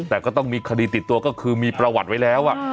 แต่ก็ต้องมีคดีติดตัวก็คือมีประวัติไว้แล้ว